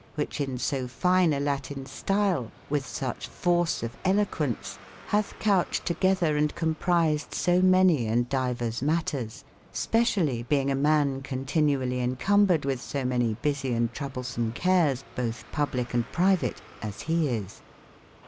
wbicb in so fine a latin stile, witb sucbe forceofeloquence, batbcoucbcd togeth er & comprised so many and divers mat ters, speciallie beinge a man continual lie encom bred witb somanye busye and troublesome cares, botb publique and private, as be is.